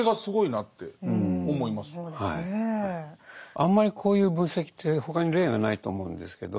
あんまりこういう分析って他に例がないと思うんですけど